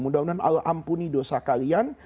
mudah mudahan allah ampuni dosa kalian